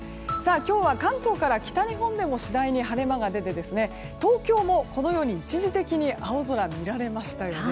今日は関東から北日本でも次第に晴れ間が出て東京もこのように一時的に青空見られましたよね。